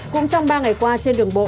cũng trong ba ngày qua trên đường bộ